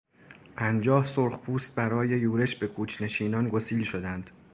پنجاه سرخپوست برای یورش به کوچ نشینان گسیل شدند.